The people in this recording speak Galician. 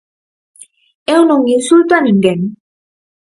Eu non insulto a ninguén.